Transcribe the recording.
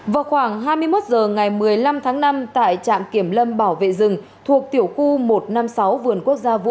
vào khoảng hai mươi một h ngày một mươi năm tháng năm tại trạm kiểm lâm bảo vệ rừng thuộc tiểu khu một trăm năm mươi sáu vườn quốc gia vũ